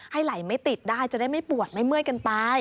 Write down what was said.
ไหลไม่ติดได้จะได้ไม่ปวดไม่เมื่อยกันไป